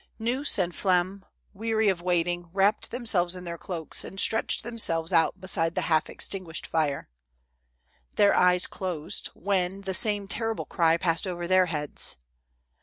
Gneuss and Flem, weary of waiting, wrapped them selves in their cloaks and stretched themselves out be side the half extinguished fire. Their eyes closed, when the same terrible cry passed over tlieir heads.